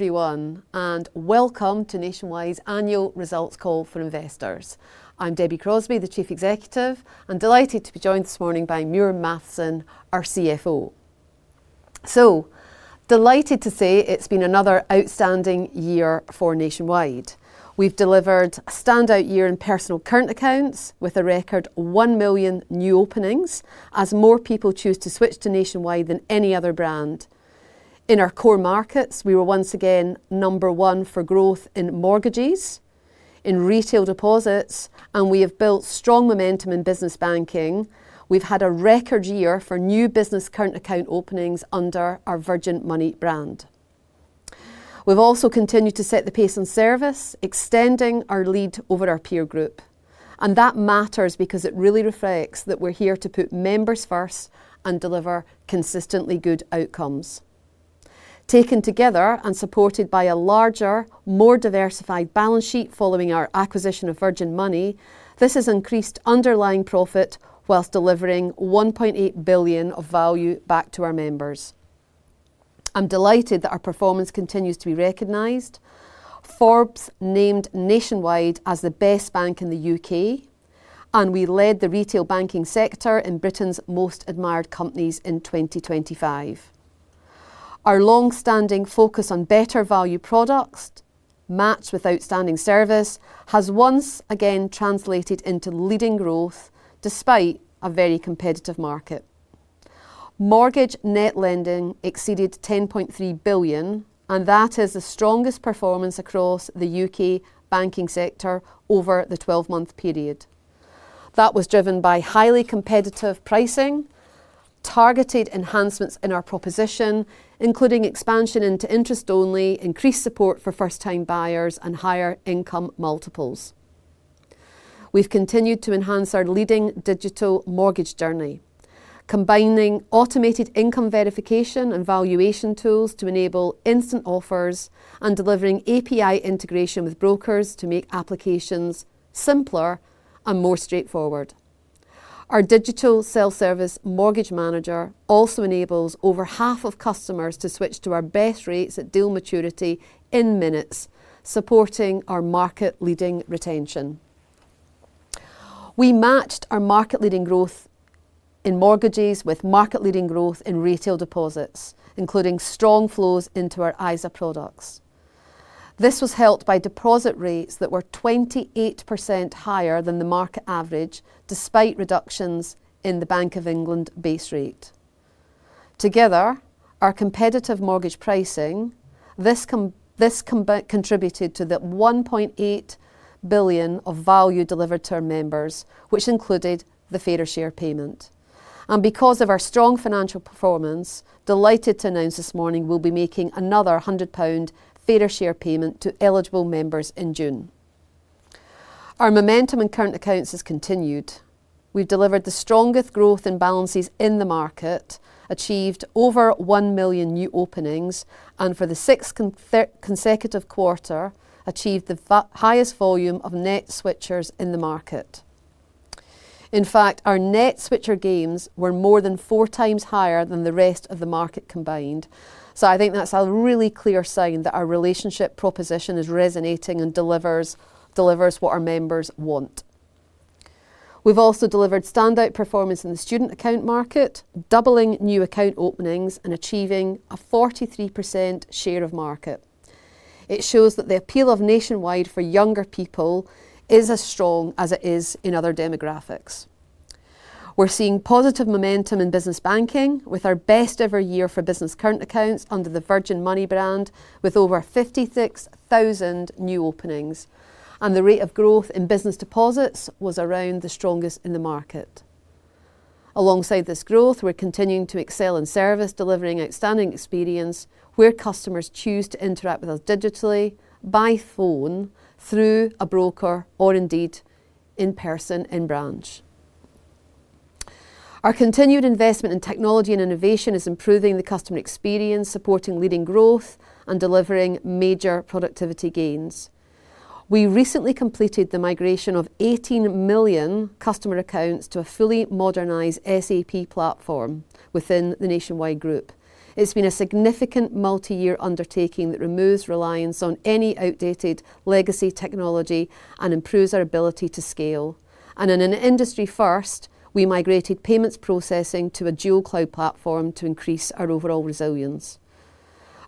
Everyone, welcome to Nationwide's annual results call for investors. I'm Debbie Crosbie, the Chief Executive, delighted to be joined this morning by Muir Mathieson, our CFO. Delighted to say it's been another outstanding year for Nationwide. We've delivered a standout year in personal current accounts with a record 1 million new openings as more people choose to switch to Nationwide than any other brand. In our core markets, we were once again number one for growth in mortgages, in retail deposits, and we have built strong momentum in business banking. We've had a record year for new business current account openings under our Virgin Money brand. We've also continued to set the pace and service, extending our lead over our peer group. That matters because it really reflects that we're here to put members first and deliver consistently good outcomes. Taken together and supported by a larger, more diversified balance sheet following our acquisition of Virgin Money, this has increased underlying profit whilst delivering 1.8 billion of value back to our members. I'm delighted that our performance continues to be recognized. Forbes named Nationwide as the best bank in the U.K., and we led the retail banking sector in Britain's Most Admired Companies in 2025. Our longstanding focus on better value products matched with outstanding service has once again translated into leading growth despite a very competitive market. Mortgage net lending exceeded 10.3 billion, and that is the strongest performance across the U.K. banking sector over the 12-month period. That was driven by highly competitive pricing, targeted enhancements in our proposition, including expansion into interest-only, increased support for first-time buyers, and higher income multiples. We've continued to enhance our leading digital mortgage journey, combining automated income verification and valuation tools to enable instant offers and delivering API integration with brokers to make applications simpler and more straightforward. Our digital self-service mortgage manager also enables over half of customers to switch to our best rates at deal maturity in minutes, supporting our market-leading retention. We matched our market-leading growth in mortgages with market-leading growth in retail deposits, including strong flows into our ISA products. This was helped by deposit rates that were 28% higher than the market average, despite reductions in the Bank of England base rate. Together, our competitive mortgage pricing, this contributed to the 1.8 billion of value delivered to our members, which included the Fairer Share payment. Because of our strong financial performance, delighted to announce this morning we'll be making another 100 pound Fairer Share payment to eligible members in June. Our momentum in current accounts has continued. We've delivered the strongest growth and balances in the market, achieved over 1 million new openings, and for the sixth consecutive quarter, achieved the highest volume of net switchers in the market. In fact, our net switcher gains were more than four times higher than the rest of the market combined. I think that's a really clear sign that our relationship proposition is resonating and delivers what our members want. We've also delivered standout performance in the student account market, doubling new account openings and achieving a 43% share of market. It shows that the appeal of Nationwide for younger people is as strong as it is in other demographics. We're seeing positive momentum in business banking with our best-ever year for business current accounts under the Virgin Money brand with over 56,000 new openings. The rate of growth in business deposits was around the strongest in the market. Alongside this growth, we're continuing to excel in service, delivering outstanding experience where customers choose to interact with us digitally, by phone, through a broker, or indeed in person in branch. Our continued investment in technology and innovation is improving the customer experience, supporting leading growth, and delivering major productivity gains. We recently completed the migration of 18 million customer accounts to a fully modernized SAP platform within the Nationwide Group. It's been a significant multi-year undertaking that removes reliance on any outdated legacy technology and improves our ability to scale. In an industry first, we migrated payments processing to a dual cloud platform to increase our overall resilience.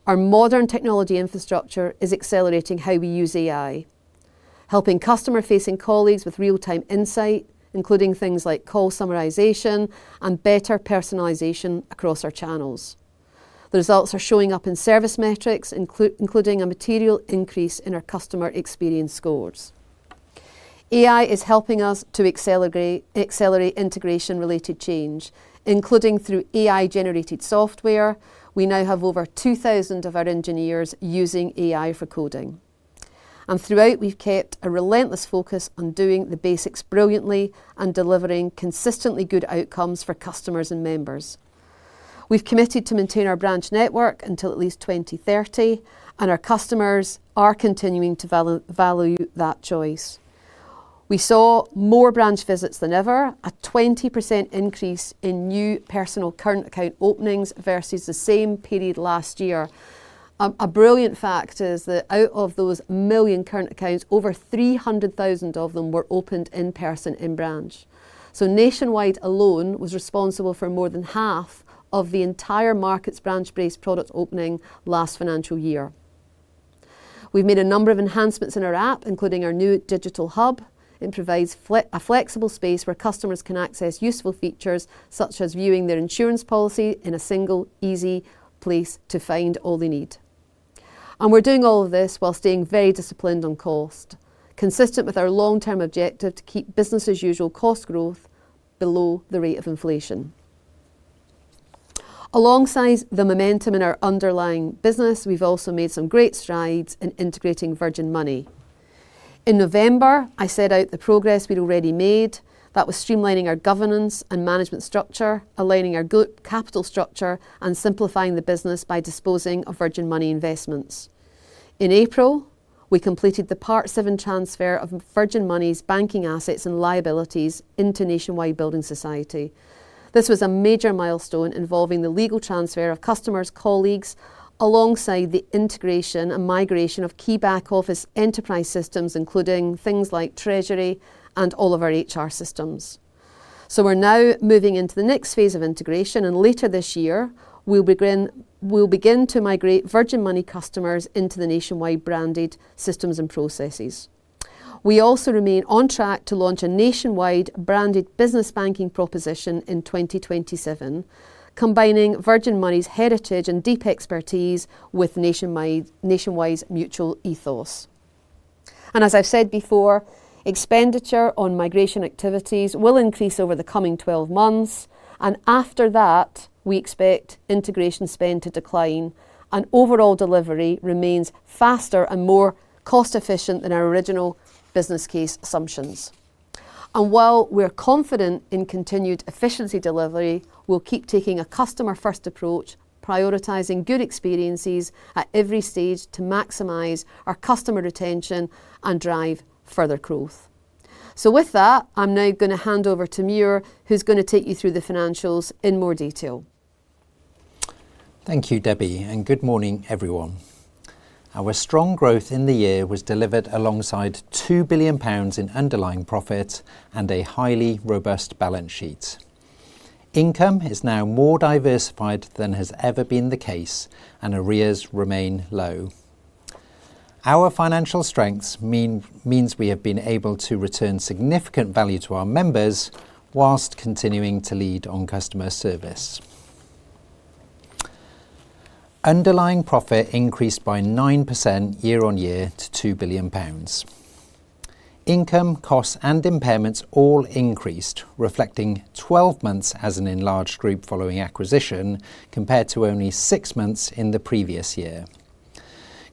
Our modern technology infrastructure is accelerating how we use AI, helping customer-facing colleagues with real-time insight, including things like call summarization and better personalization across our channels. The results are showing up in service metrics, including a material increase in our customer experience scores. AI is helping us to accelerate integration-related change, including through AI-generated software. We now have over 2,000 of our engineers using AI for coding. Throughout, we've kept a relentless focus on doing the basics brilliantly and delivering consistently good outcomes for customers and members. We've committed to maintain our branch network until at least 2030, and our customers are continuing to value that choice. We saw more branch visits than ever, a 20% increase in new personal current account openings versus the same period last year. A brilliant fact is that out of those million current accounts, over 300,000 of them were opened in person in-branch. Nationwide alone was responsible for more than half of the entire market's branch-based product opening last financial year. We've made a number of enhancements in our app, including our new digital hub. It provides a flexible space where customers can access useful features, such as viewing their insurance policy in a single, easy place to find all they need. We're doing all of this while staying very disciplined on cost, consistent with our long-term objective to keep business-as-usual cost growth below the rate of inflation. Alongside the momentum in our underlying business, we've also made some great strides in integrating Virgin Money. In November, I set out the progress we'd already made. That was streamlining our governance and management structure, aligning our capital structure, and simplifying the business by disposing of Virgin Money Investments. In April, we completed the Part VII transfer of Virgin Money's banking assets and liabilities into Nationwide Building Society. This was a major milestone involving the legal transfer of customers, colleagues, alongside the integration and migration of key back-office enterprise systems, including things like treasury and all of our HR systems. We're now moving into the next phase of integration, and later this year, we'll begin to migrate Virgin Money customers into the Nationwide-branded systems and processes. We also remain on track to launch a Nationwide-branded business banking proposition in 2027, combining Virgin Money's heritage and deep expertise with Nationwide's mutual ethos. As I've said before, expenditure on migration activities will increase over the coming 12 months, and after that, we expect integration spend to decline and overall delivery remains faster and more cost-efficient than our original business case assumptions. While we're confident in continued efficiency delivery, we'll keep taking a customer-first approach, prioritizing good experiences at every stage to maximize our customer retention and drive further growth. With that, I'm now going to hand over to Muir, who's going to take you through the financials in more detail. Thank you, Debbie, good morning, everyone. Our strong growth in the year was delivered alongside 2 billion pounds in underlying profit and a highly robust balance sheet. Income is now more diversified than has ever been the case, arrears remain low. Our financial strengths means we have been able to return significant value to our members while continuing to lead on customer service. Underlying profit increased by 9% year-on-year to 2 billion pounds. Income, costs, and impairments all increased, reflecting 12 months as an enlarged group following acquisition, compared to only six months in the previous year.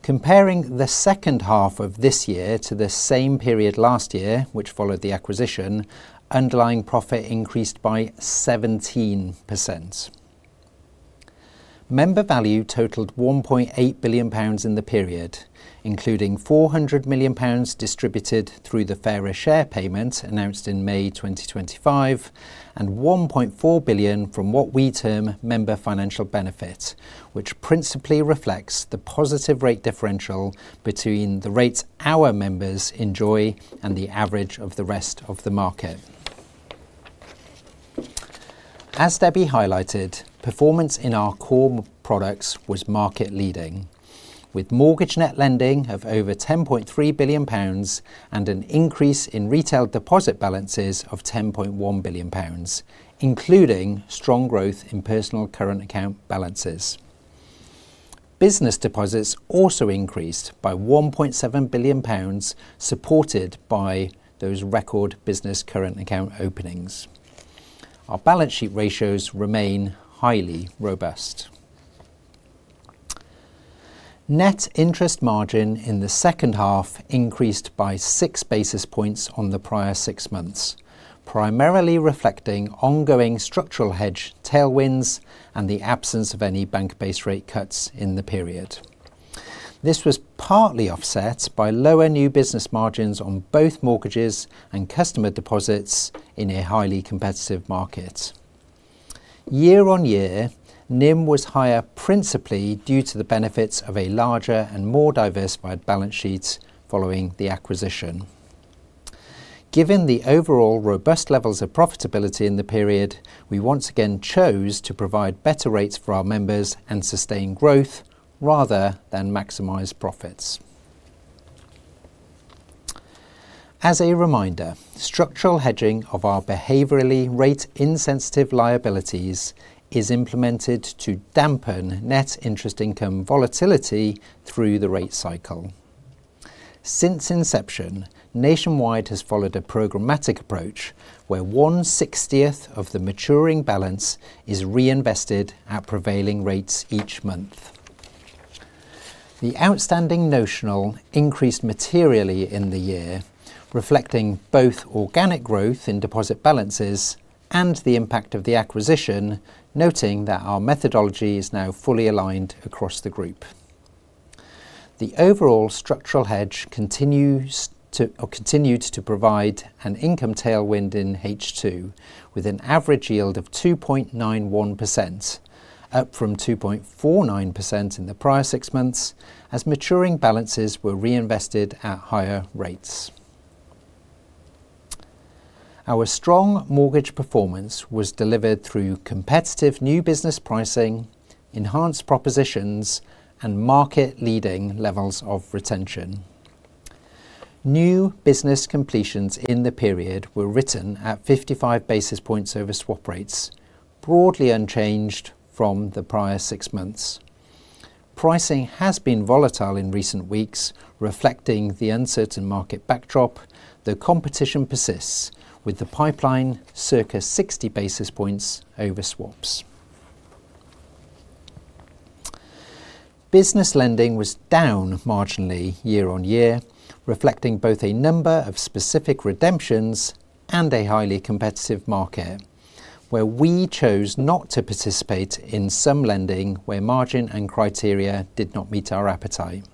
Comparing the second half of this year to the same period last year, which followed the acquisition, underlying profit increased by 17%. Member value totaled 1.8 billion pounds in the period, including 400 million pounds distributed through the Fairer Share payment announced in May 2025 and 1.4 billion from what we term member financial benefit, which principally reflects the positive rate differential between the rates our members enjoy and the average of the rest of the market. As Debbie highlighted, performance in our core products was market-leading, with mortgage net lending of over 10.3 billion pounds and an increase in retail deposit balances of 10.1 billion pounds, including strong growth in personal current account balances. Business deposits also increased by 1.7 billion pounds, supported by those record business current account openings. Our balance sheet ratios remain highly robust. Net interest margin in the second half increased by 6 basis points on the prior six months, primarily reflecting ongoing structural hedge tailwinds and the absence of any bank base rate cuts in the period. This was partly offset by lower new business margins on both mortgages and customer deposits in a highly competitive market. year-on-year, NIM was higher principally due to the benefits of a larger and more diversified balance sheet following the acquisition. Given the overall robust levels of profitability in the period, we once again chose to provide better rates for our members and sustain growth rather than maximize profits. As a reminder, structural hedging of our behaviorally rate-insensitive liabilities is implemented to dampen net interest income volatility through the rate cycle. Since inception, Nationwide has followed a programmatic approach where 1/60 of the maturing balance is reinvested at prevailing rates each month. The outstanding notional increased materially in the year, reflecting both organic growth in deposit balances and the impact of the acquisition, noting that our methodology is now fully aligned across the group. The overall structural hedge continued to provide an income tailwind in H2 with an average yield of 2.91%, up from 2.49% in the prior six months as maturing balances were reinvested at higher rates. Our strong mortgage performance was delivered through competitive new business pricing, enhanced propositions, and market leading levels of retention. New business completions in the period were written at 55 basis points over swap rates, broadly unchanged from the prior six months. Pricing has been volatile in recent weeks, reflecting the uncertain market backdrop, though competition persists, with the pipeline circa 60 basis points over swaps. Business lending was down marginally year-over-year, reflecting both a number of specific redemptions and a highly competitive market where we chose not to participate in some lending where margin and criteria did not meet our appetite.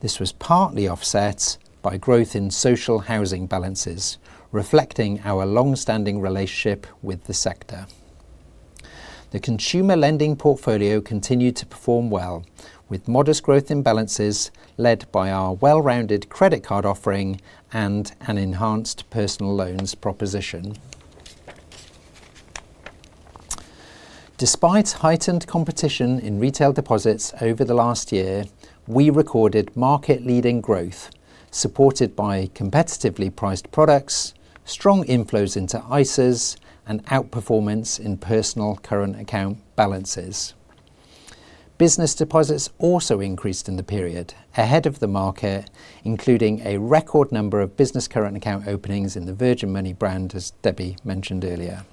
This was partly offset by growth in social housing balances, reflecting our longstanding relationship with the sector. The consumer lending portfolio continued to perform well, with modest growth in balances led by our well-rounded credit card offering and an enhanced personal loans proposition. Despite heightened competition in retail deposits over the last year, we recorded market-leading growth supported by competitively priced products, strong inflows into ISAs, and outperformance in personal current account balances. Business deposits also increased in the period ahead of the market, including a record number of business current account openings in the Virgin Money brand as Debbie mentioned earlier.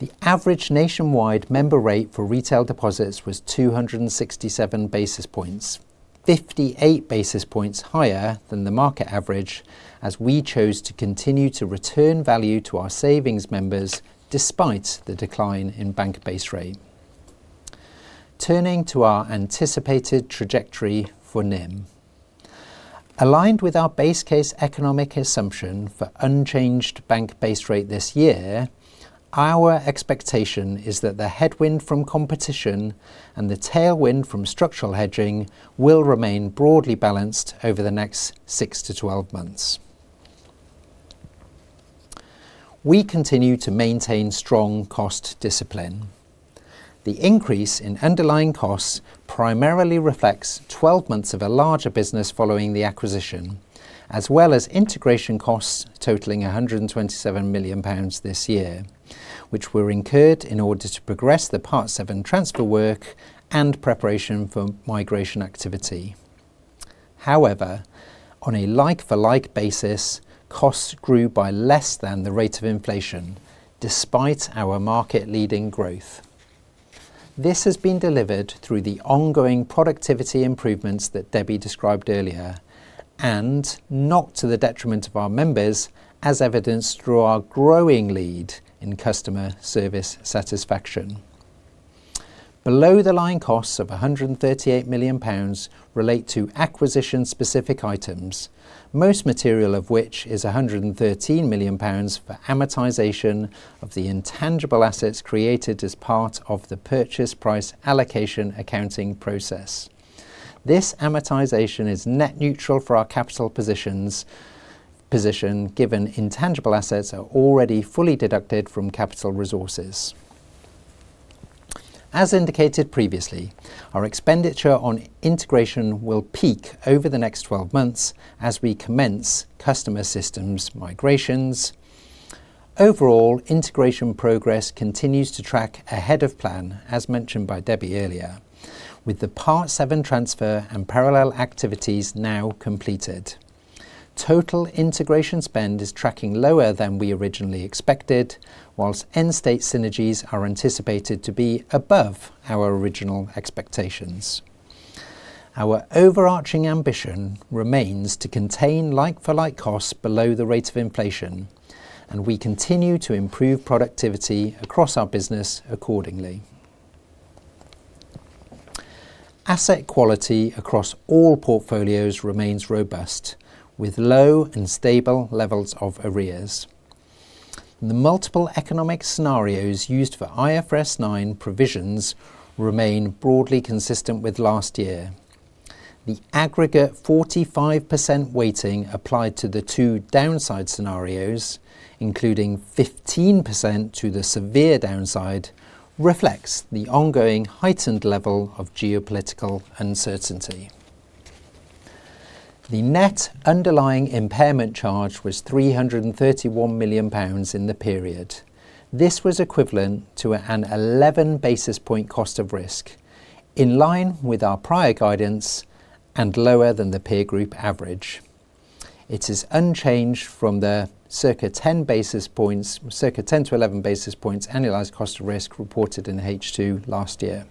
The average Nationwide member rate for retail deposits was 267 basis points, 58 basis points higher than the market average, as we chose to continue to return value to our savings members despite the decline in bank base rate. Turning to our anticipated trajectory for NIM. Aligned with our base case economic assumption for unchanged bank base rate this year, our expectation is that the headwind from competition and the tailwind from structural hedging will remain broadly balanced over the next six to 12 months. We continue to maintain strong cost discipline. The increase in underlying costs primarily reflects 12 months of a larger business following the acquisition, as well as integration costs totaling 127 million pounds this year, which were incurred in order to progress the Part VII transfer work and preparation for migration activity. However, on a like for like basis, costs grew by less than the rate of inflation despite our market leading growth. This has been delivered through the ongoing productivity improvements that Debbie described earlier and not to the detriment of our members, as evidenced through our growing lead in customer service satisfaction. Below the line costs of 138 million pounds relate to acquisition specific items, most material of which is 113 million pounds for amortization of the intangible assets created as part of the purchase price allocation accounting process. This amortization is net neutral for our capital position, given intangible assets are already fully deducted from capital resources. As indicated previously, our expenditure on integration will peak over the next 12 months as we commence customer systems migrations. Overall, integration progress continues to track ahead of plan, as mentioned by Debbie earlier. With the Part VII transfer and parallel activities now completed. Total integration spend is tracking lower than we originally expected, whilst end state synergies are anticipated to be above our original expectations. Our overarching ambition remains to contain like for like costs below the rate of inflation, and we continue to improve productivity across our business accordingly. Asset quality across all portfolios remains robust, with low and stable levels of arrears. The multiple economic scenarios used for IFRS 9 provisions remain broadly consistent with last year. The aggregate 45% weighting applied to the two downside scenarios, including 15% to the severe downside, reflects the ongoing heightened level of geopolitical uncertainty. The net underlying impairment charge was 331 million pounds in the period. This was equivalent to an 11 basis points cost of risk, in line with our prior guidance and lower than the peer group average. It is unchanged from the circa 10-11 basis points annualized cost of risk reported in H2 last year.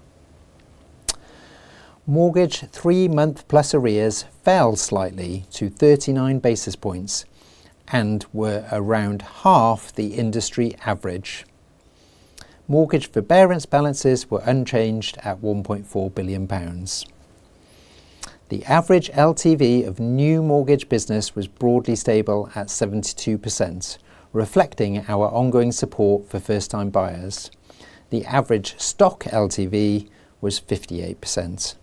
Mortgage three-month-plus arrears fell slightly to 39 basis points and were around half the industry average. Mortgage forbearance balances were unchanged at 1.4 billion pounds. The average LTV of new mortgage business was broadly stable at 72%, reflecting our ongoing support for first-time buyers. The average stock LTV was 58%.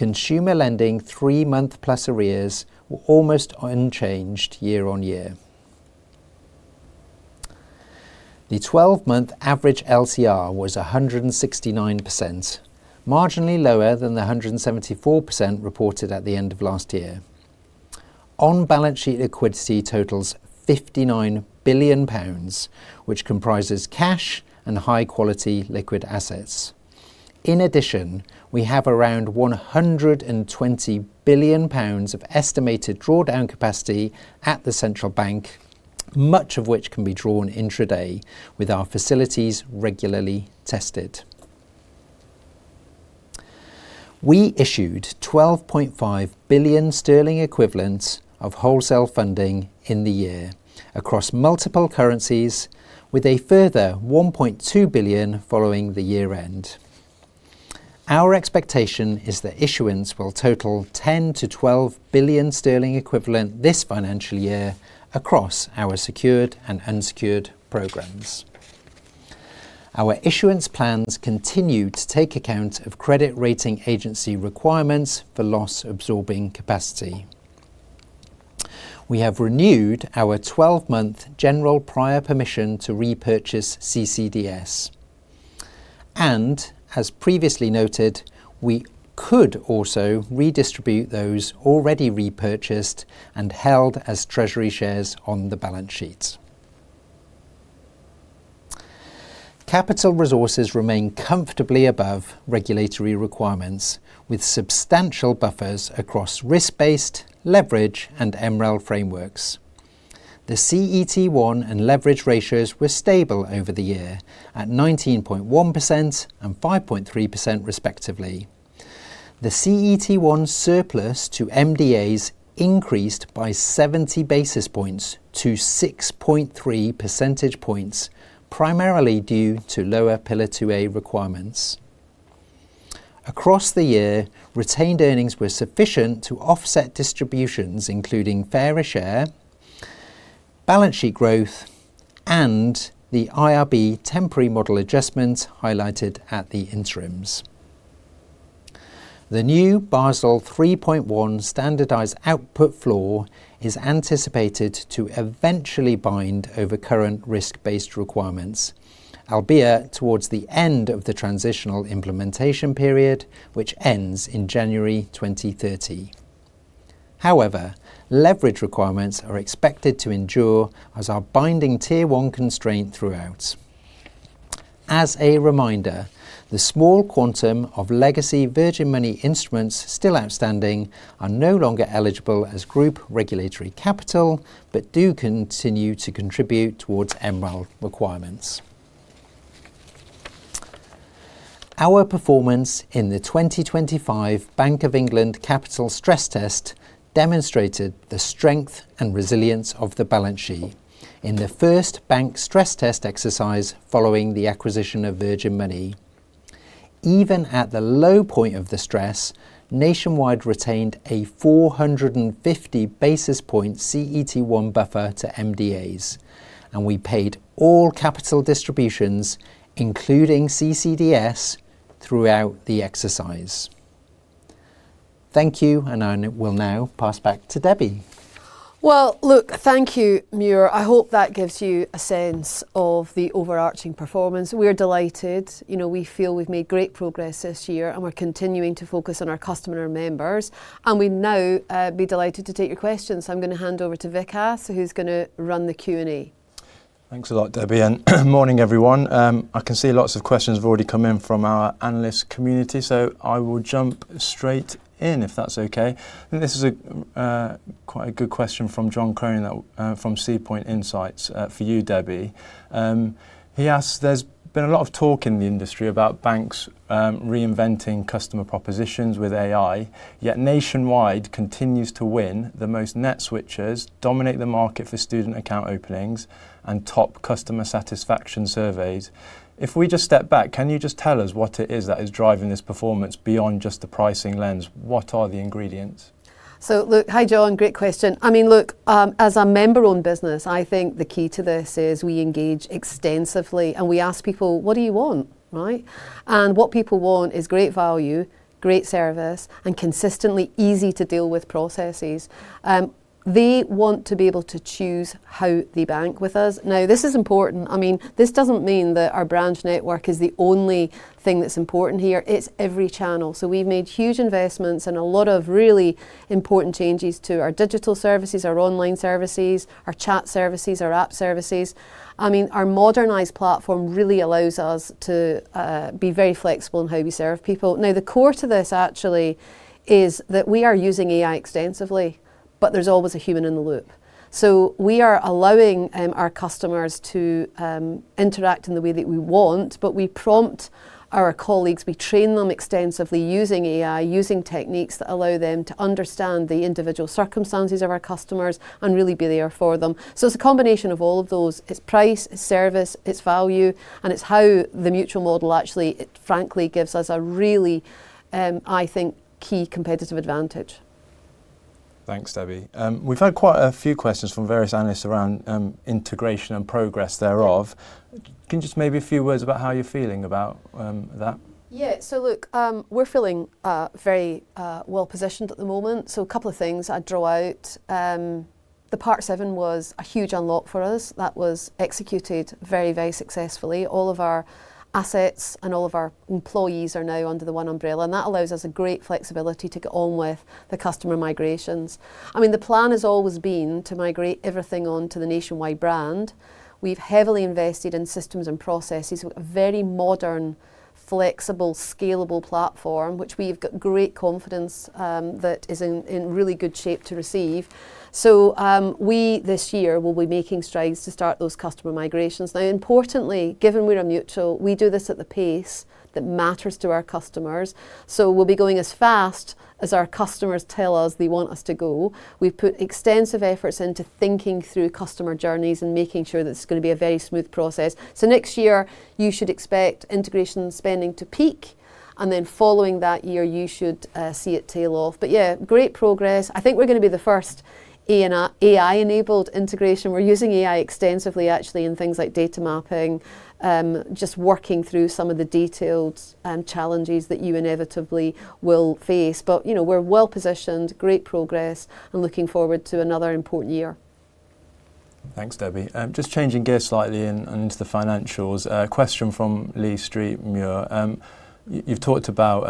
Consumer lending three-month-plus arrears were almost unchanged year-on-year. The 12-month average LCR was 169%, marginally lower than the 174% reported at the end of last year. On-balance sheet liquidity totals 59 billion pounds, which comprises cash and high-quality liquid assets. In addition, we have around 120 billion pounds of estimated drawdown capacity at the Central Bank, much of which can be drawn intraday, with our facilities regularly tested. We issued 12.5 billion sterling equivalent of wholesale funding in the year across multiple currencies, with a further 1.2 billion following the year end. Our expectation is that issuance will total 10 billion-12 billion sterling equivalent this financial year across our secured and unsecured programs. Our issuance plans continue to take account of credit rating agency requirements for loss-absorbing capacity. We have renewed our 12-month general prior permission to repurchase CCDS. As previously noted, we could also redistribute those already repurchased and held as treasury shares on the balance sheets. Capital resources remain comfortably above regulatory requirements with substantial buffers across risk-based, leverage, and MREL frameworks. The CET1 and leverage ratios were stable over the year at 19.1% and 5.3%, respectively. The CET1 surplus to MDAs increased by 70 basis points to 6.3 percentage points, primarily due to lower Pillar 2A requirements. Across the year, retained earnings were sufficient to offset distributions, including Fairer Share, balance sheet growth, and the IRB temporary model adjustments highlighted at the interims. The new Basel 3.1 standardized output floor is anticipated to eventually bind over current risk-based requirements, albeit towards the end of the transitional implementation period, which ends in January 2030. However, leverage requirements are expected to endure as our binding Tier 1 constraint throughout. As a reminder, the small quantum of legacy Virgin Money instruments still outstanding are no longer eligible as group regulatory capital, but do continue to contribute towards MREL requirements. Our performance in the 2025 Bank of England capital stress test demonstrated the strength and resilience of the balance sheet in the first bank stress test exercise following the acquisition of Virgin Money. Even at the low point of the stress, Nationwide retained a 450 basis points CET1 buffer to MDAs, and we paid all capital distributions, including CCDS, throughout the exercise. Thank you, and I will now pass back to Debbie. Well, look, thank you, Muir. I hope that gives you a sense of the overarching performance. We're delighted. We feel we've made great progress this year, and we're continuing to focus on our customer members. We now be delighted to take your questions. I'm going to hand over to Vikas, who's going to run the Q&A. Thanks a lot, Debbie. Morning, everyone. I can see lots of questions have already come in from our analyst community. I will jump straight in, if that's okay. I think this is quite a good question from John Cronin from SeaPoint Insights for you, Debbie. He asks, there's been a lot of talk in the industry about banks reinventing customer propositions with AI. Nationwide continues to win the most net switchers, dominate the market for student account openings, and top customer satisfaction surveys. If we just step back, can you just tell us what it is that is driving this performance beyond just the pricing lens? What are the ingredients? Look, hi, John, great question. I mean, look, as a member-owned business, I think the key to this is we engage extensively, and we ask people, "What do you want?" Right? What people want is great value, great service, and consistently easy-to-deal-with processes. They want to be able to choose how they bank with us. This is important. This doesn't mean that our branch network is the only thing that's important here. It's every channel. We've made huge investments and a lot of really important changes to our digital services, our online services, our chat services, our app services. Our modernized platform really allows us to be very flexible in how we serve people. The core to this actually is that we are using AI extensively, but there's always a human in the loop. We are allowing our customers to interact in the way that we want, but we prompt our colleagues, we train them extensively using AI, using techniques that allow them to understand the individual circumstances of our customers and really be there for them. It's a combination of all of those. It's price, it's service, it's value, and it's how the mutual model actually, frankly, gives us a really, I think, key competitive advantage. Thanks, Debbie. We've had quite a few questions from various analysts around integration and progress thereof. Can you just maybe a few words about how you're feeling about that? Yeah. Look, we're feeling very well-positioned at the moment. A couple of things I'd draw out. The Part VII was a huge unlock for us. That was executed very successfully. All of our assets and all of our employees are now under the one umbrella, that allows us a great flexibility to get on with the customer migrations. The plan has always been to migrate everything onto the Nationwide brand. We've heavily invested in systems and processes with a very modern, flexible, scalable platform, which we've got great confidence that is in really good shape to receive. We, this year, will be making strides to start those customer migrations. Importantly, given we're a mutual, we do this at the pace that matters to our customers. We'll be going as fast as our customers tell us they want us to go. We've put extensive efforts into thinking through customer journeys and making sure that it's going to be a very smooth process. Next year, you should expect integration spending to peak, and then following that year, you should see it tail off. Yeah, great progress. I think we're going to be the first AI-enabled integration. We're using AI extensively, actually, in things like data mapping, just working through some of the detailed challenges that you inevitably will face. We're well-positioned, great progress, and looking forward to another important year. Thanks, Debbie. Just changing gears slightly and into the financials. A question from Lee Street, Muir. You've talked about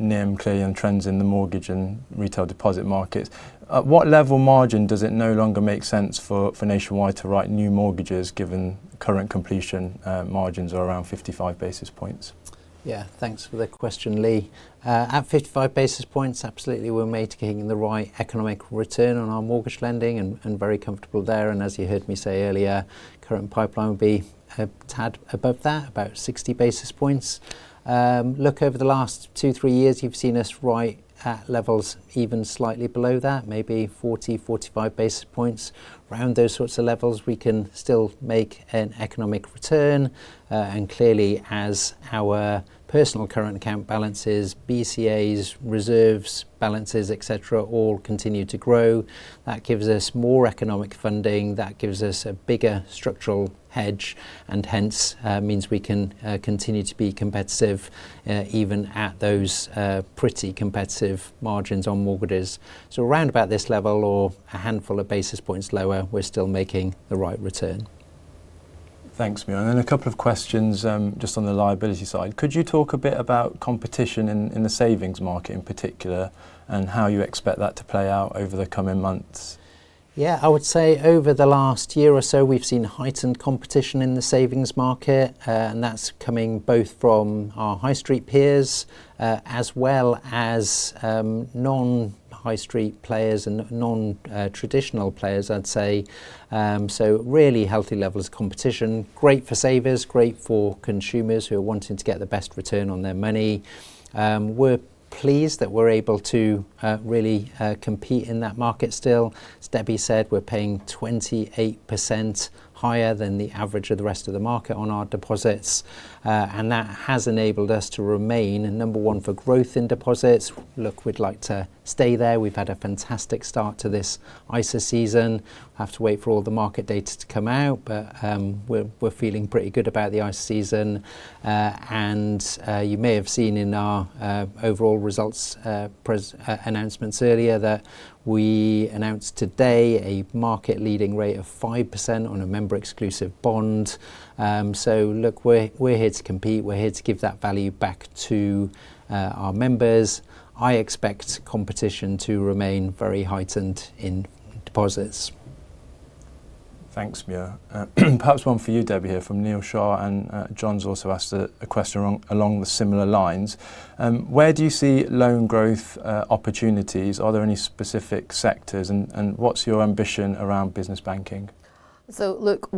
NIM, clearly, and trends in the mortgage and retail deposit markets. At what level margin does it no longer make sense for Nationwide to write new mortgages, given current completion margins are around 55 basis points? Yeah, thanks for the question, Lee. At 55 basis points, absolutely, we're making the right economic return on our mortgage lending and very comfortable there. As you heard me say earlier, current pipeline will be a tad above that, about 60 basis points. Look, over the last two, three years, you've seen us write at levels even slightly below that, maybe 40, 45 basis points. Around those sorts of levels, we can still make an economic return. Clearly, as our personal current account balances, BCAs, reserves balances, et cetera, all continue to grow, that gives us more economic funding, that gives us a bigger structural hedge, and hence, means we can continue to be competitive even at those pretty competitive margins on mortgages. Around about this level or a handful of basis points lower, we're still making the right return. Thanks, Muir. A couple of questions just on the liability side. Could you talk a bit about competition in the savings market in particular, and how you expect that to play out over the coming months? Yeah. I would say over the last year or so, we've seen heightened competition in the savings market, and that's coming both from our high street peers, as well as non-high street players and non-traditional players, I'd say. Really healthy levels of competition. Great for savers, great for consumers who are wanting to get the best return on their money. We're pleased that we're able to really compete in that market still. As Debbie said, we're paying 28% higher than the average of the rest of the market on our deposits. And that has enabled us to remain number one for growth in deposits. Look, we'd like to stay there. We've had a fantastic start to this ISA season. Have to wait for all the market data to come out, but we're feeling pretty good about the ISA season. You may have seen in our overall results announcements earlier that we announced today a market-leading rate of 5% on a member-exclusive bond. Look, we're here to compete. We're here to give that value back to our members. I expect competition to remain very heightened in deposits. Thanks, Muir. Perhaps one for you, Debbie, here from Neil Shah, and John's also asked a question along the similar lines. Where do you see loan growth opportunities? Are there any specific sectors? What's your ambition around business banking? Look,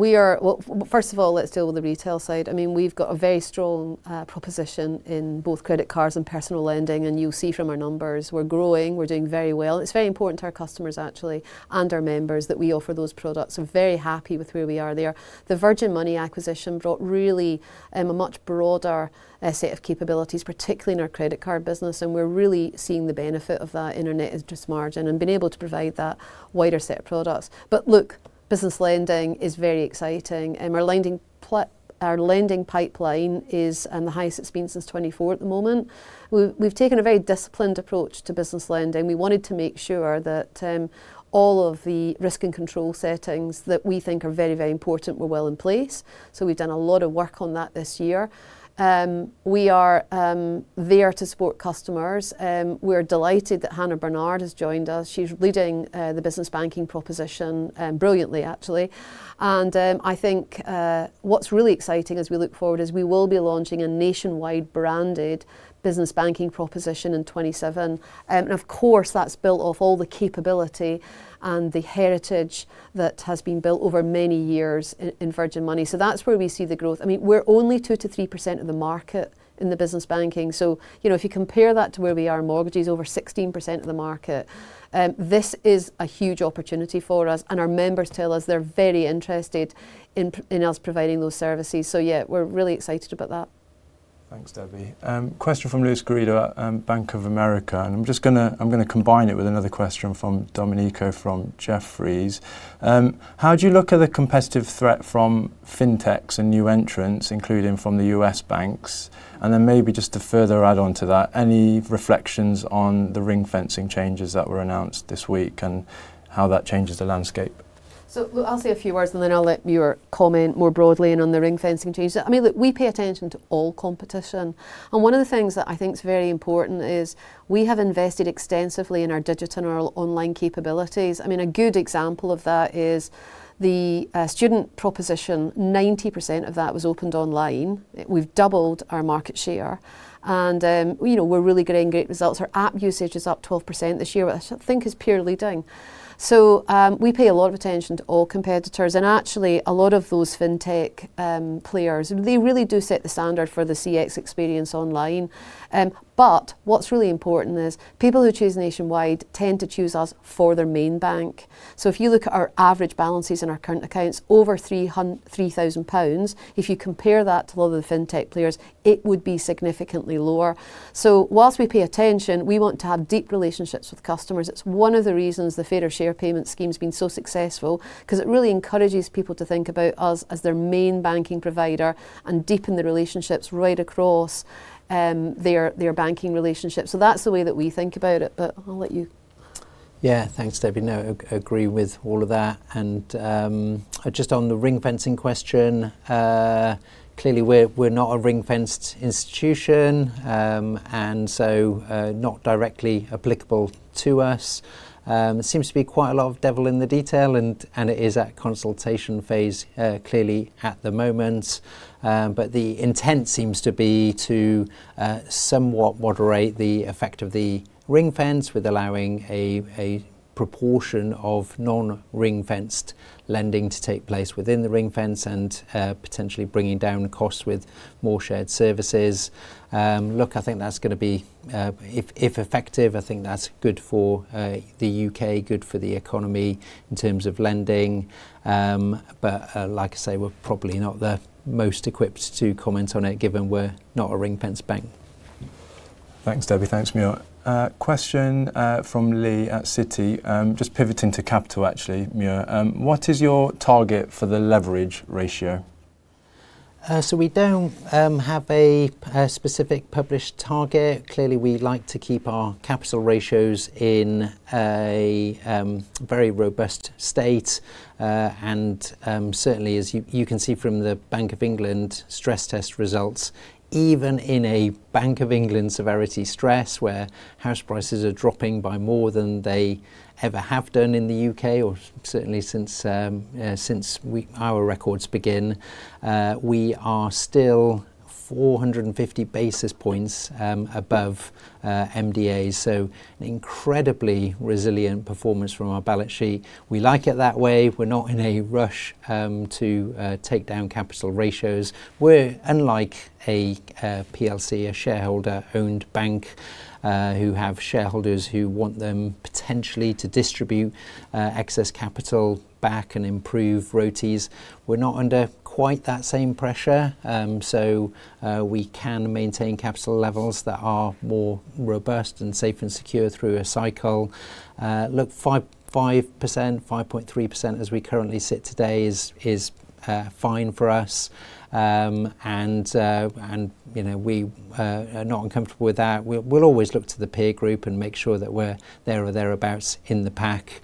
first of all, let's deal with the retail side. We've got a very strong proposition in both credit cards and personal lending, and you'll see from our numbers, we're growing, we're doing very well. It's very important to our customers, actually, and our members, that we offer those products. Very happy with where we are there. The Virgin Money acquisition brought really a much broader set of capabilities, particularly in our credit card business, and we're really seeing the benefit of that in our net interest margin and being able to provide that wider set of products. Look, business lending is very exciting. Our lending pipeline is at the highest it's been since 2024 at the moment. We've taken a very disciplined approach to business lending. We wanted to make sure that all of the risk and control settings that we think are very, very important were well in place. We've done a lot of work on that this year. We are there to support customers. We're delighted that Hannah Bernard has joined us. She's leading the business banking proposition brilliantly, actually. I think what's really exciting as we look forward is we will be launching a Nationwide-branded business banking proposition in 2027. Of course, that's built off all the capability and the heritage that has been built over many years in Virgin Money. That's where we see the growth. We're only 2%-3% of the market in the business banking. If you compare that to where we are in mortgages, over 16% of the market, this is a huge opportunity for us, and our members tell us they're very interested in us providing those services. Yeah, we're really excited about that. Thanks, Debbie. Question from Luis Garrido at Bank of America. I'm going to combine it with another question from Domenico from Jefferies. How do you look at the competitive threat from fintechs and new entrants, including from the U.S. banks? Maybe just to further add on to that, any reflections on the ring-fencing changes that were announced this week and how that changes the landscape? I'll say a few words, and then I'll let Muir comment more broadly in on the ring-fencing changes. I mean, look, we pay attention to all competition, and one of the things that I think is very important is we have invested extensively in our digital and our online capabilities. I mean, a good example of that is the student proposition. 90% of that was opened online. We've doubled our market share and we're really getting great results. Our app usage is up 12% this year, which I think is peer leading. We pay a lot of attention to all competitors, and actually a lot of those fintech players, they really do set the standard for the CX experience online. What's really important is people who choose Nationwide tend to choose us for their main bank. If you look at our average balances in our current accounts, over 3,000 pounds, if you compare that to a lot of the fintech players, it would be significantly lower. Whilst we pay attention, we want to have deep relationships with customers. It's one of the reasons the Fairer Share payment scheme's been so successful, because it really encourages people to think about us as their main banking provider and deepen the relationships right across their banking relationship. That's the way that we think about it. I'll let you Yeah, thanks, Debbie. No, agree with all of that. Just on the ring-fencing question, clearly we're not a ring-fenced institution, so not directly applicable to us. It seems to be quite a lot of devil in the detail and it is at consultation phase, clearly at the moment. The intent seems to be to somewhat moderate the effect of the ring-fence with allowing a proportion of non ring-fenced lending to take place within the ring-fence and potentially bringing down costs with more shared services. Look, I think that's going to be, if effective, I think that's good for the U.K., good for the economy in terms of lending. Like I say, we're probably not the most equipped to comment on it given we're not a ring-fenced bank. Thanks, Debbie. Thanks, Muir. Question from Lee at Citi. Just pivoting to capital actually, Muir. What is your target for the leverage ratio? We don't have a specific published target. Clearly, we like to keep our capital ratios in a very robust state. And certainly as you can see from the Bank of England stress test results, even in a Bank of England severity stress where house prices are dropping by more than they ever have done in the U.K. or certainly since our records begin, we are still 450 basis points above MDA. An incredibly resilient performance from our balance sheet. We like it that way. We're not in a rush to take down capital ratios. We're unlike a PLC, a shareholder-owned bank, who have shareholders who want them potentially to distribute excess capital back and improve ROTEs. We're not under quite that same pressure. We can maintain capital levels that are more robust and safe and secure through a cycle. 5%, 5.3% as we currently sit today is fine for us. We are not uncomfortable with that. We'll always look to the peer group and make sure that we're there or thereabouts in the pack.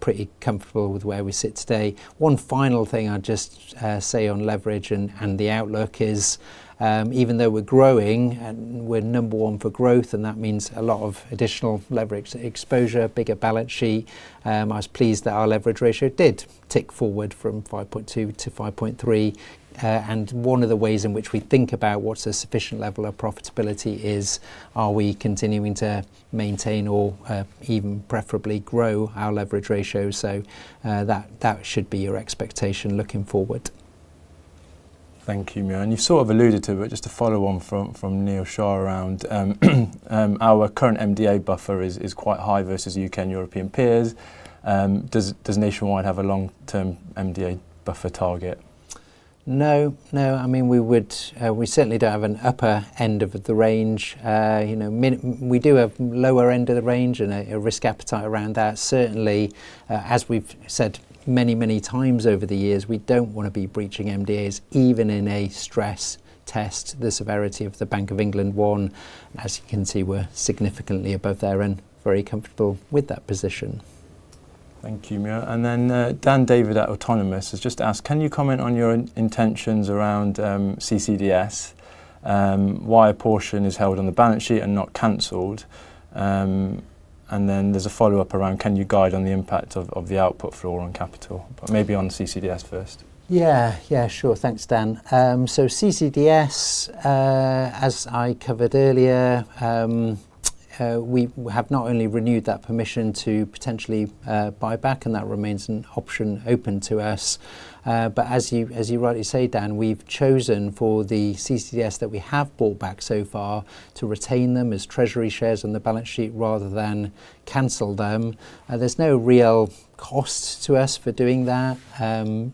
Pretty comfortable with where we sit today. One final thing I'd just say on leverage and the outlook is, even though we're growing and we're number one for growth, that means a lot of additional leverage exposure, bigger balance sheet, I was pleased that our leverage ratio did tick forward from 5.2%-5.3%. One of the ways in which we think about what's a sufficient level of profitability is, are we continuing to maintain or even preferably grow our leverage ratio? That should be your expectation looking forward. Thank you, Muir. You sort of alluded to it, just to follow on from Neil Shah around our current MDA buffer is quite high versus U.K. and European peers. Does Nationwide have a long-term MDA buffer target? No. No. I mean, we certainly don't have an upper end of the range. We do have lower end of the range and a risk appetite around that. Certainly, as we've said many times over the years, we don't want to be breaching MDA, even in a stress test. The severity of the Bank of England one, as you can see, we're significantly above there and very comfortable with that position. Thank you, Muir. Dan David at Autonomous has just asked, can you comment on your intentions around CCDS? Why a portion is held on the balance sheet and not canceled? There's a follow-up around can you guide on the impact of the output floor on capital? Maybe on CCDS first. Yeah. Sure. Thanks, Dan. CCDS, as I covered earlier. We have not only renewed that permission to potentially buy back, and that remains an option open to us. As you rightly say, Dan, we've chosen for the CCDS that we have bought back so far to retain them as treasury shares on the balance sheet rather than cancel them. There's no real cost to us for doing that, and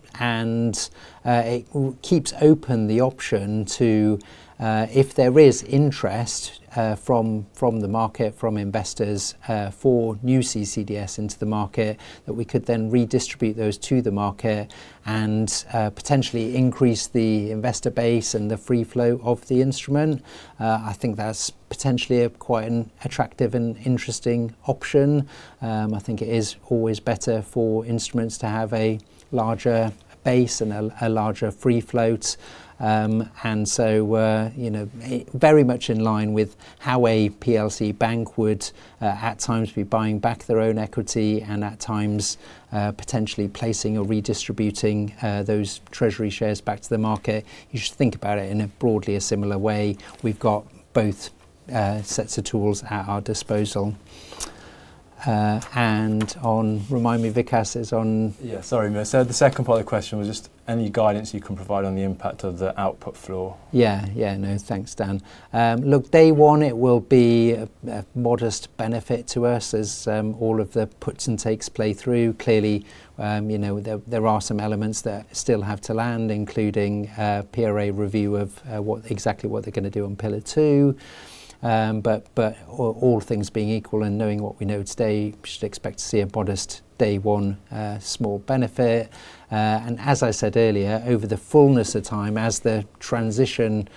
it keeps open the option to, if there is interest from the market, from investors for new CCDS into the market, that we could then redistribute those to the market and potentially increase the investor base and the free flow of the instrument. I think that's potentially quite an attractive and interesting option. I think it is always better for instruments to have a larger base and a larger free float. Very much in line with how a PLC bank would, at times, be buying back their own equity and, at times, potentially placing or redistributing those treasury shares back to the market. You should think about it in broadly a similar way. We've got both sets of tools at our disposal. Remind me, Vikas is on. Yeah, sorry, Muir. The second part of the question was just any guidance you can provide on the impact of the output floor. No, thanks, Dan. Day one, it will be a modest benefit to us as all of the puts and takes play through. There are some elements that still have to land, including PRA review of exactly what they're going to do on Pillar 2. All things being equal and knowing what we know today, should expect to see a modest Day one small benefit. As I said earlier, over the fullness of time, as the transition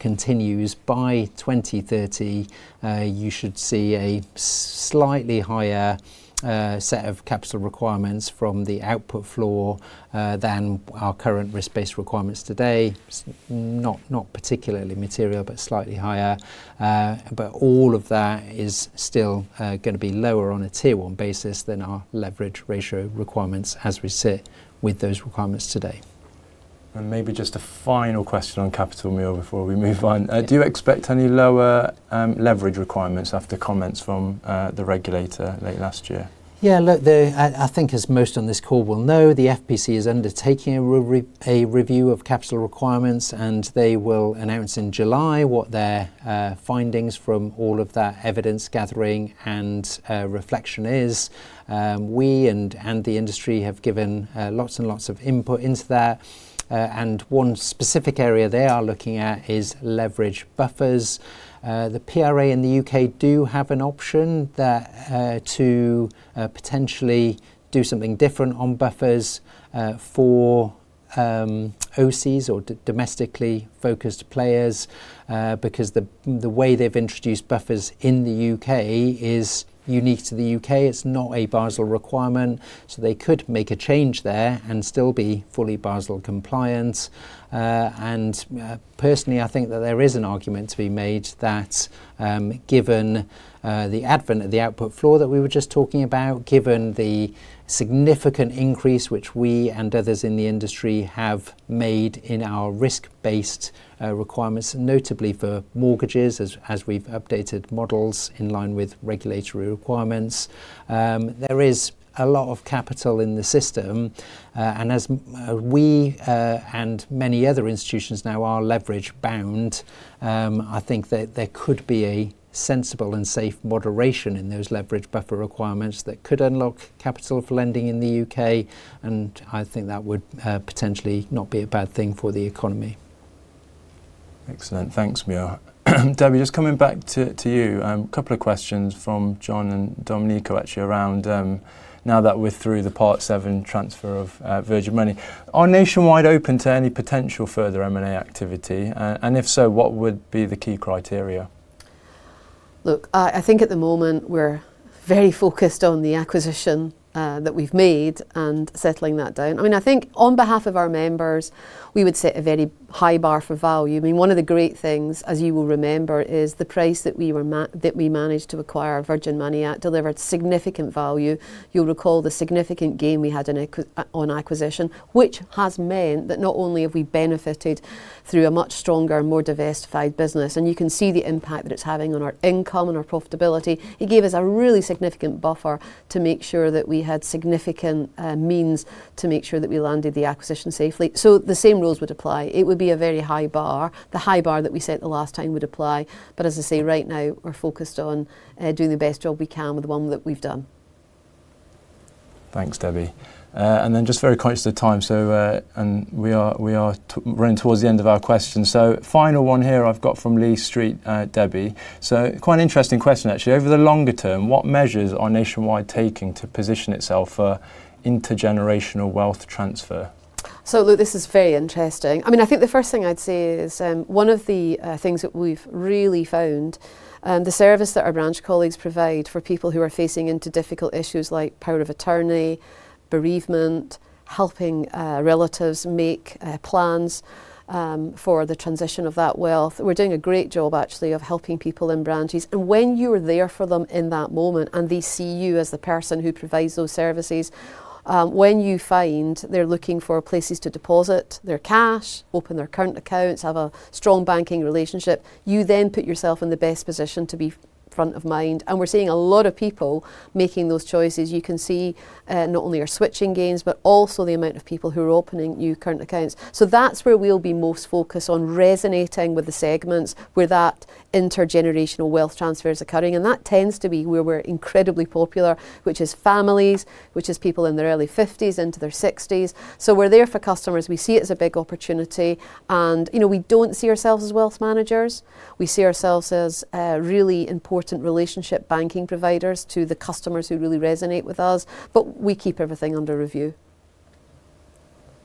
continues, by 2030, you should see a slightly higher set of capital requirements from the output floor than our current risk-based requirements today. Not particularly material, but slightly higher. All of that is still going to be lower on a Tier 1 basis than our leverage ratio requirements as we sit with those requirements today. Maybe just a final question on capital, Muir, before we move on. Do you expect any lower leverage requirements after comments from the regulator late last year? Look, I think as most on this call will know, the FPC is undertaking a review of capital requirements, and they will announce in July what their findings from all of that evidence gathering and reflection is. We and the industry have given lots and lots of input into that, and one specific area they are looking at is leverage buffers. The PRA in the U.K. do have an option to potentially do something different on buffers for O-SIIs or domestically focused players. The way they've introduced buffers in the U.K. is unique to the U.K. It's not a Basel requirement. They could make a change there and still be fully Basel compliant. Personally, I think that there is an argument to be made that, given the advent of the output floor that we were just talking about, given the significant increase which we and others in the industry have made in our risk-based requirements, notably for mortgages, as we've updated models in line with regulatory requirements, there is a lot of capital in the system. As we and many other institutions now are leverage bound, I think that there could be a sensible and safe moderation in those leverage buffer requirements that could unlock capital for lending in the U.K. I think that would potentially not be a bad thing for the economy. Excellent. Thanks, Muir. Debbie, just coming back to you, couple of questions from John and Domenico actually around now that we're through the Part VII transfer of Virgin Money. Are Nationwide open to any potential further M&A activity? If so, what would be the key criteria? Look, I think at the moment we're very focused on the acquisition that we've made and settling that down. I think on behalf of our members, we would set a very high bar for value. One of the great things, as you will remember, is the price that we managed to acquire Virgin Money at delivered significant value. You'll recall the significant gain we had on acquisition, which has meant that not only have we benefited through a much stronger and more diversified business, and you can see the impact that it's having on our income and our profitability. It gave us a really significant buffer to make sure that we had significant means to make sure that we landed the acquisition safely. The same rules would apply. It would be a very high bar. The high bar that we set the last time would apply. As I say, right now we're focused on doing the best job we can with the one that we've done. Thanks, Debbie. Just very conscious of time, and we are running towards the end of our questions. Final one here I've got from Lee Street, Debbie. Quite an interesting question, actually. Over the longer term, what measures are Nationwide taking to position itself for intergenerational wealth transfer? Look, this is very interesting. I think the first thing I'd say is one of the things that we've really found, the service that our branch colleagues provide for people who are facing into difficult issues like power of attorney, bereavement, helping relatives make plans for the transition of that wealth. We're doing a great job, actually, of helping people in branches. When you are there for them in that moment and they see you as the person who provides those services, when you find they're looking for places to deposit their cash, open their current accounts, have a strong banking relationship, you then put yourself in the best position to be front of mind. We're seeing a lot of people making those choices. You can see not only our switching gains, but also the amount of people who are opening new current accounts. That's where we'll be most focused on resonating with the segments where that intergenerational wealth transfer is occurring. That tends to be where we're incredibly popular, which is families, which is people in their early 50s into their 60s. We're there for customers. We see it as a big opportunity. We don't see ourselves as wealth managers. We see ourselves as really important relationship banking providers to the customers who really resonate with us, but we keep everything under review.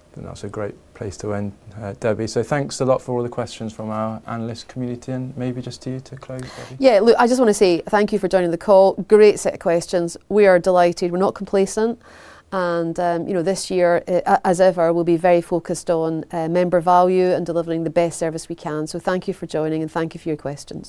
I think that's a great place to end, Debbie. Thanks a lot for all the questions from our analyst community, and maybe just to you to close, Debbie. Yeah, look, I just want to say thank you for joining the call. Great set of questions. We are delighted. We're not complacent. This year, as ever, we'll be very focused on member value and delivering the best service we can. Thank you for joining, and thank you for your questions.